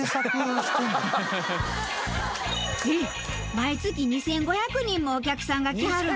毎月２５００人もお客さんが来はるの？